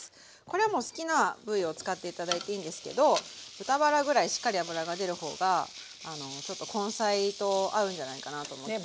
これはもう好きな部位を使って頂いていいんですけど豚バラぐらいしっかり脂が出る方があのちょっと根菜と合うんじゃないかなと思って。